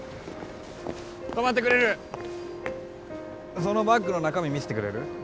そのバッグの中身見せてくれる？